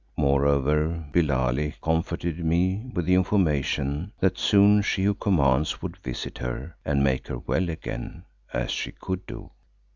Moreover Billali comforted me with the information that soon She who commands would visit her and "make her well again," as she could do.